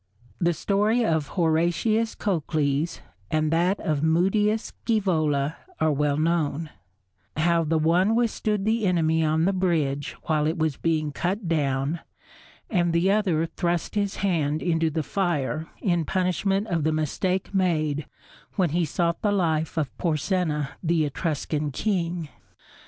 The story of Horatius Cocles and that of Mutius Scævola are well known: how the one withstood the enemy on the bridge while it was being cut down, and the other thrust his hand into the fire in punishment of the mistake made when he sought the life of Porsenna the Etruscan king.